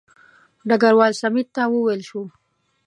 ډګروال سمیت ته وویل شو.